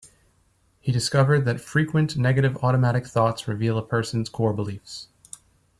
He discovered that frequent negative automatic thoughts reveal a person's core beliefs.